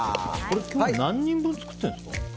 今日何人分作ってるんですか？